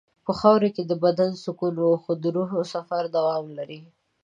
په خاوره کې د بدن سکون وي خو د روح سفر دوام لري.